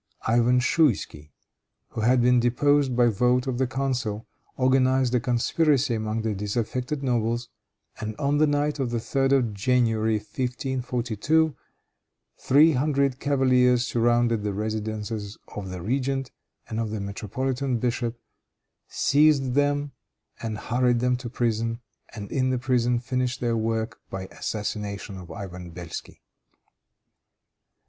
Ivan Schouisky, who had been deposed by vote of the council, organized a conspiracy among the disaffected nobles, and on the night of the 3d of January, 1542, three hundred cavaliers surrounded the residences of the regent and of the metropolitan bishop, seized them and hurried them to prison, and in the prison finished their work by the assassination of Ivan Belsky.